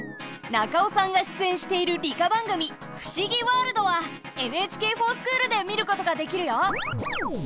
中尾さんが出演している理科番組「ふしぎワールド」は「ＮＨＫｆｏｒＳｃｈｏｏｌ」で見ることができるよ！